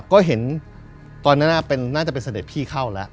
ก็เห็นตอนนั้นน่าจะเป็นเสด็จพี่เข้าแล้ว